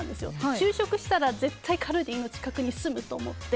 就職したら絶対カルディの近くに住むって。